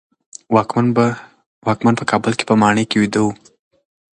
واکمن په کابل کې په ماڼۍ کې ویده و.